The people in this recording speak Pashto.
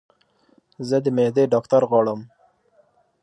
زه د معدي ډاکټر غواړم